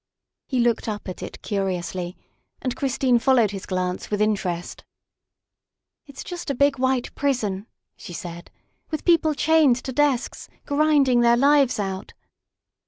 He looked up at it curiously, and Christine followed his glance with interest. " It's just a big, white prison," she said, " with peo ple chained to desks, grinding their lives out."